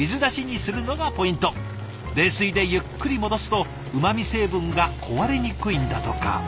冷水でゆっくり戻すとうまみ成分が壊れにくいんだとか。